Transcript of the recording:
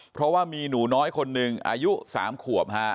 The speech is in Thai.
เพราะว่ามีหนูน้อยคนหนึ่งอายุ๓ขวบ